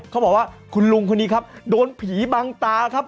เขาบอกว่าคุณลุงคนนี้ครับโดนผีบังตาครับ